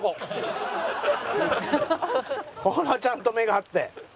ほらちゃんと目があって。